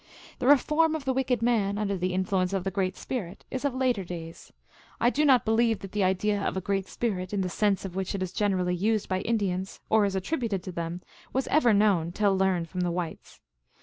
The reform of the wicked man, under the influence of the "Great Spirit," is of later days. I do not believe that the idea of a Great Spirit, in the sense in which it is generally used by Indians, or is attributed to them, was ever known till learned from the whites.